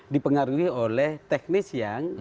dipengaruhi oleh teknis yang